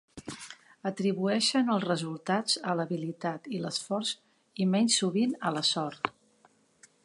Atribueixen els resultats a l'habilitat i l'esforç i menys sovint a la sort.